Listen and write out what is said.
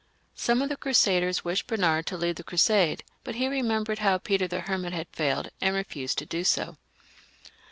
Some of the Crusaders wished Bernard to lead the Crusade, but he remembered how Peter the Hermit had failed, and refused to do so.